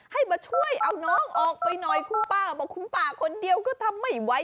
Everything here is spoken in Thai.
ให้มาช่วยเอาน้องออกไปหน่อยคุณป้าบอกคุณป้าคนเดียวก็ทำไม่ไหว